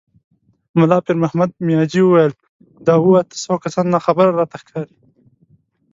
ملا پيرمحمد مياجي وويل: دا اووه، اته سوه کسان ناخبره راته ښکاري.